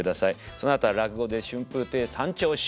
そのあとは落語で春風亭三朝師匠。